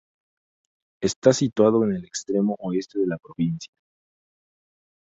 Está situado en el extremo oeste de la provincia.